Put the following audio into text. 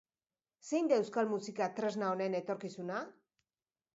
Zein da euskal musika tresna honen etorkizuna?